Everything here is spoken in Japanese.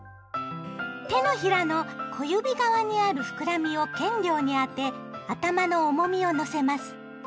手のひらの小指側にある膨らみをけんりょうにあて頭の重みをのせます。